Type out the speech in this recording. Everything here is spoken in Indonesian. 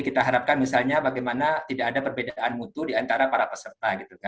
kita harapkan misalnya bagaimana tidak ada perbedaan mutu diantara para peserta